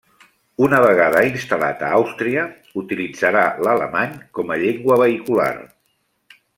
Una vegada instal·lat a Àustria, utilitzarà l'alemany com a llengua vehicular.